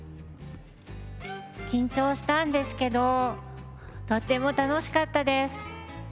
緊張したんですけどとっても楽しかったです。